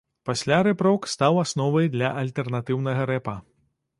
Пасля рэп-рок стаў асновай для альтэрнатыўнага рэпа.